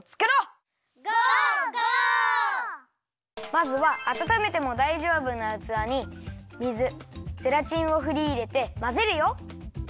まずはあたためてもだいじょうぶなうつわに水ゼラチンをふりいれてまぜるよ。